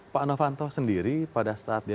pak novanto sendiri pada saat dia